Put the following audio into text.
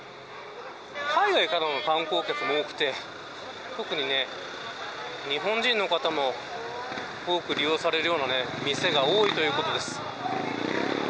海外からの観光客も多くて、特に日本人の方も多く利用されるような店が多いということです。